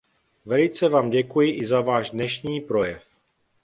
Velice vám děkuji i za váš dnešní projev.